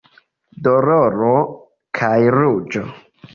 Doloro kaj ruĝo.